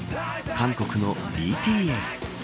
韓国のＢＴＳ。